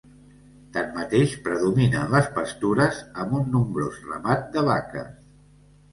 Tanmateix, predominen les pastures amb un nombrós ramat de vaques.